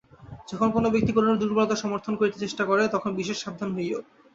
যখন কোন ব্যক্তি কোনরূপ দুর্বলতা সমর্থন করিতে চেষ্টা করে, তখন বিশেষ সাবধান হইও।